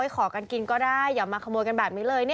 ขอกันกินก็ได้อย่ามาขโมยกันแบบนี้เลย